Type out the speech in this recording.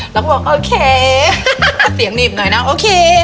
เราก็บอกโอเคถ้าเสียงหนีบหน่อยนะโอเค